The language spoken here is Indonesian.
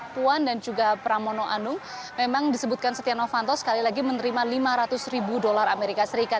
puan dan juga pramono anung memang disebutkan setia novanto sekali lagi menerima lima ratus ribu dolar amerika serikat